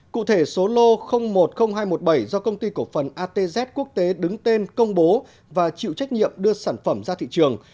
cụ thể số lô một mươi nghìn hai trăm một mươi bảy do công ty cổ phần atz quốc tế đứng tên công bố và chịu trách nhiệm đưa sản phẩm ra thị trường